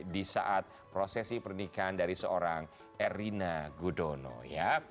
di saat prosesi pernikahan dari seorang erina gudono ya